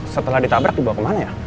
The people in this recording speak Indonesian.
setelah ditabrak dibawa kemana ya